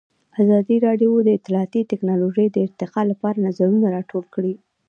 ازادي راډیو د اطلاعاتی تکنالوژي د ارتقا لپاره نظرونه راټول کړي.